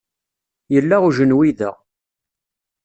Yella ujenwi da.